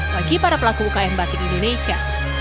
bagi para pelaku ukm batin indonesia